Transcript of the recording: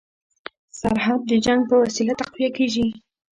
سرحد د جنګ په وسیله تقویه کړي.